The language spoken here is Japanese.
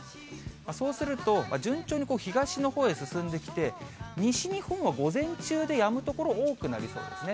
そうすると、順調に東のほうへ進んできて、西日本は午前中でやむ所、多くなりそうですね。